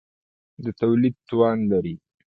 د تولید توان لري.